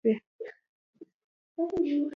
د ماريا سرې شونډې يې يادې شوې.